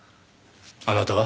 あなたは？